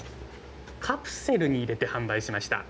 カプセルに入れて販売しました。